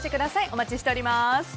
お待ちしております。